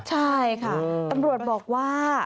ใช่ค่ะตำรวจบอกว่า